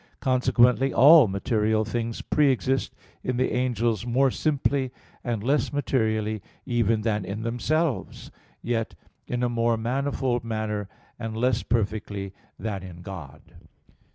Consequently, all material things pre exist in the angels more simply and less materially even than in themselves, yet in a more manifold manner and less perfectly than in God.